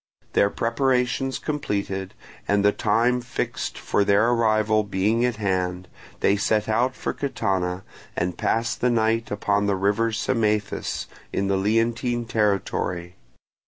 Their preparations completed, and the time fixed for their arrival being at hand, they set out for Catana, and passed the night upon the river Symaethus, in the Leontine territory.